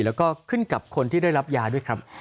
แล้วก็ขึ้นกับคนที่ได้รับยาด้วยครับ